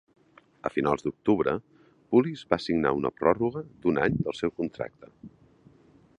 A finals d'octubre, Pulis va signar una pròrroga d'un any del seu contracte.